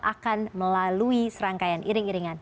akan melalui serangkaian iring iringan